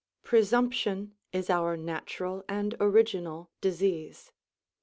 Presumption is our natural and original disease.